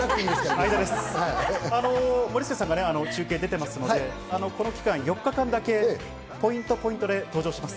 森さんが中継に出てますので、この機会に４日間だけポイント、ポイントで登場します。